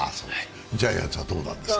ジャイアンツはどうなんですか？